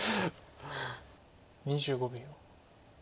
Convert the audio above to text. ２５秒。